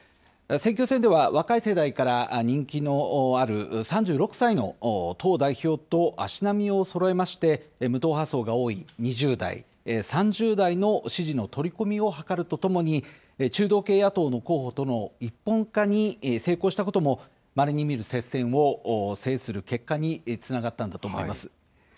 選挙戦では若い世代から人気のある３６歳の党代表と足並みをそろえまして、無党派層が多い２０代、３０代の支持の取り込みを図るとともに、中道系野党の候補との一本化に成功したことも、まれに見る接戦を制する結果につながったんだと思います。